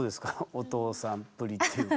お父さんっぷりっていうか。